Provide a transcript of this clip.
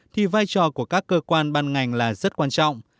thì vai trò của các cơ quan ban ngành là rất quan trọng